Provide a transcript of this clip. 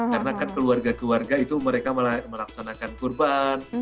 karena kan keluarga keluarga itu mereka melaksanakan korban